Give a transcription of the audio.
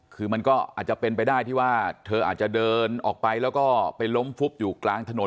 คือมันก็อาจจะเป็นไปได้ที่ว่าเธออาจจะเดินออกไปแล้วก็ไปล้มฟุบอยู่กลางถนน